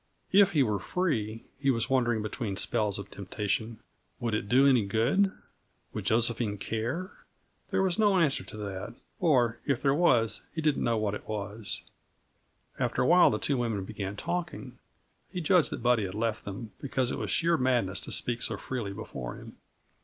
If he were free, he was wondering between spells of temptation, would it do any good? Would Josephine care? There was no answer to that, or if there was he did not know what it was. After awhile the two women began talking; he judged that Buddy had left them, because it was sheer madness to speak so freely before him.